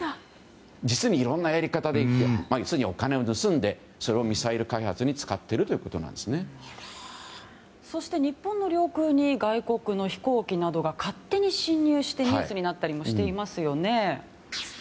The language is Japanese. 実にいろんなやり方で要するに、お金を盗んでミサイル開発にそして日本の領空に外国の飛行機などが勝手に侵入してニュースになったりもしていますよね。